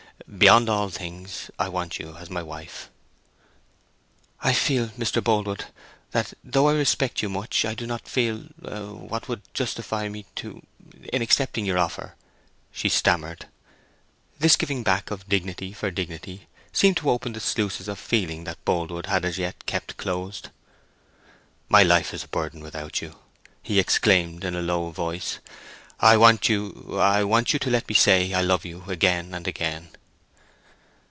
Beyond all things, I want you as my wife." "I feel, Mr. Boldwood, that though I respect you much, I do not feel—what would justify me to—in accepting your offer," she stammered. This giving back of dignity for dignity seemed to open the sluices of feeling that Boldwood had as yet kept closed. "My life is a burden without you," he exclaimed, in a low voice. "I want you—I want you to let me say I love you again and again!"